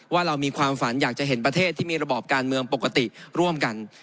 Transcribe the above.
ว่าเรามีความฝันอยากจะเห็นประเทศที่มีระบอบการเมืองปกติร่วมกัน